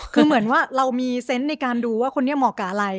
คือเหมือนว่าเรามีเซนต์ในการดูว่าคนนี้เหมาะกับอะไร